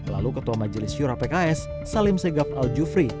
lalu ketua majelis yura pks salim segap al jufri